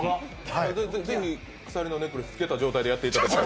ぜひ、鎖のネックレスをつけた状態でやっていただいて。